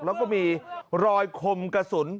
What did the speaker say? แล้วก็มีรอยคมกระสุน